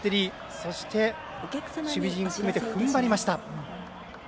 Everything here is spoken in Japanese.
そして、守備陣含めてふんばりました。